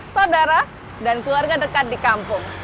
saudara dan keluarga dekat di kampung